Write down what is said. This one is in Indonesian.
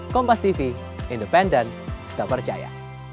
kompastv independen tak percaya